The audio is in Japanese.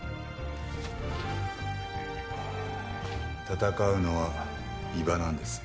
戦うのは伊庭なんです。